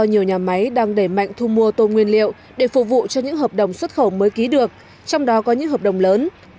nhiều nhà máy đang đẩy mạnh thu mua tôm nguyên liệu để phục vụ cho những hợp đồng xuất khẩu mới ký được trong đó có những hợp đồng lớn